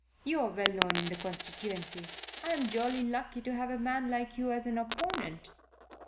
You're well known in the constituency I am jolly lucky to have a man like you as an opponent."